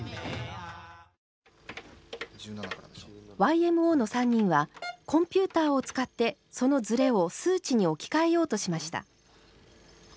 ＹＭＯの３人はコンピューターを使ってそのズレを数値に置き換えようとしました。